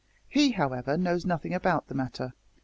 He, however, knows nothing about the matter.